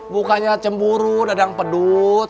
bukannya cemburu dadang pedut